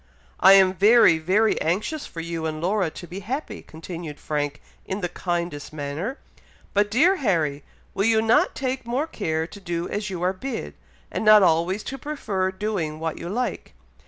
"I am very very anxious for you and Laura to be happy," continued Frank, in the kindest manner; "but, dear Harry, will you not take more care to do as you are bid, and not always to prefer doing what you like!